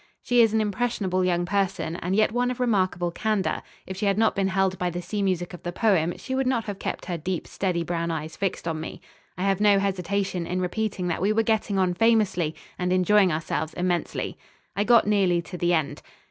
She is an impressionable young person and yet one of remarkable candour. If she had not been held by the sea music of the poem, she would not have kept her deep, steady brown eyes fixed on me. I have no hesitation in repeating that we were getting on famously and enjoying ourselves immensely. I got nearly to the end